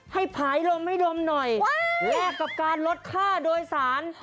ผายลมให้ดมหน่อยแลกกับการลดค่าโดยสาร